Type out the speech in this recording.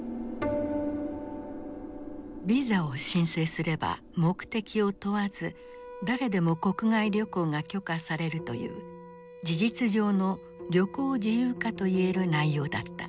ビザを申請すれば目的を問わず誰でも国外旅行が許可されるという事実上の旅行自由化といえる内容だった。